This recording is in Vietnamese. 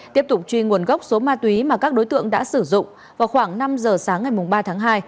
tiếp tục truy nguồn gốc số ma túy mà các đối tượng đã sử dụng vào khoảng năm giờ sáng ngày ba tháng hai